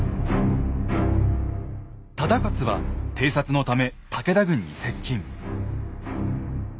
忠勝は偵察のため武田軍に接近。